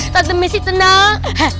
tante messi tenang